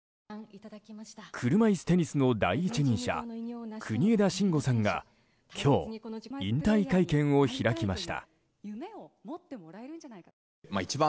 車いすテニスの第一人者国枝慎吾さんが今日、引退会見を開きました。